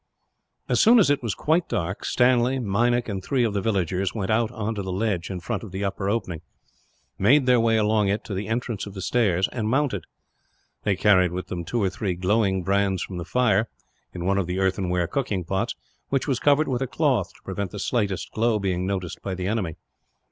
As soon as it was quite dark, Stanley, Meinik, and three of the villagers went out on to the ledge in front of the upper opening, made their way along it to the entrance of the stairs, and mounted. They carried with them two or three glowing brands from the fire, in one of the earthenware cooking pots, which was covered with a cloth to prevent the slightest glow being noticed by the enemy.